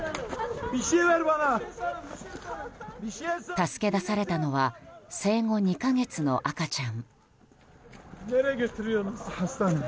助け出されたのは生後２か月の赤ちゃん。